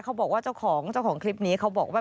เขาบอกว่าเจ้าของเจ้าของคลิปนี้เขาบอกว่า